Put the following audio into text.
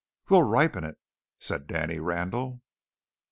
"We'll ripen it!" said Danny Randall.